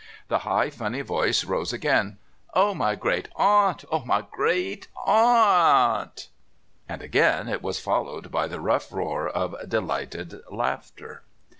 The high funny voice rose again: "Oh, my great aunt! Oh, my great aunt!" And again it was followed by the rough roar of delighted laughter.